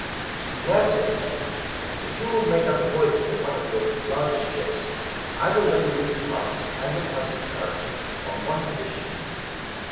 ''Now," said he, ''if you will make up a voyage for one of your largest ships, I will loan you the Pass and the Prices Current, on one condition.